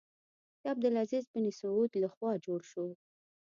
د عبدالعزیز بن سعود له خوا جوړ شو.